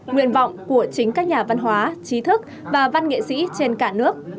nguyện vọng của chính các nhà văn hóa trí thức và văn nghệ sĩ trên cả nước